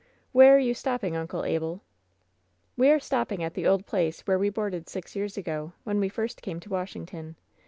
"Where are you stopping, Uncle Abel ?" '^e are stopping at the old place where we boarded six years ago, when we first came to Washington.